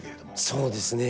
そうですね。